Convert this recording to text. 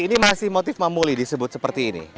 ini masih motif mamuli disebut seperti ini